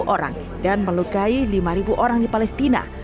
seribu orang dan melukai lima ribu orang di palestina